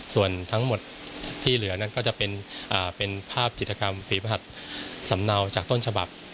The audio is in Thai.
ส่วนทั้งหมดที่เหลือนั้นก็จะเป็นภาพจิตกรรมฝีพระหัสสำเนาจากต้นฉบับ